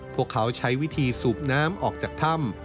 พวกเขาใช้วิธีสูบน้ำออกจากถ้ำ